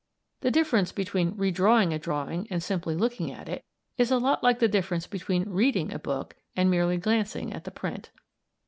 The difference between redrawing a drawing and simply looking at it, is a lot like the difference between reading a book and merely glancing at the print.